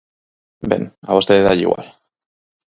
Ben, a vostede dálle igual.